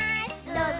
どうぞ。